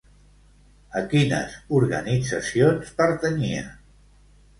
A quines organitzacions pertanyia?